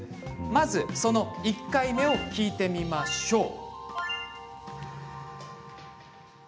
まずその１回目を聴いてみましょう。